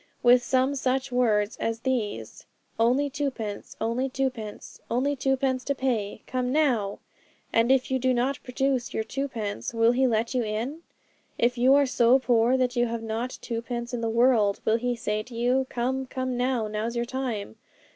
with some such words as these, "Only twopence; only twopence; only twopence to pay! Come now!" And, if you do not produce your twopence, will he let you in? if you are so poor that you have not twopence in the world, will he say to you, "Come, come now! now's your time"?